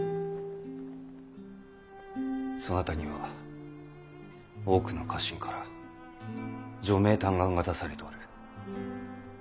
そなたには多くの家臣から助命嘆願が出されておる。